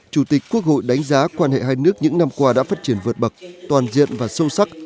chủ tịch quốc hội đánh giá quan hệ hai nước những năm qua đã phát triển vượt bậc toàn diện và sâu sắc